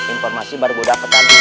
informasi baru gue dapat tadi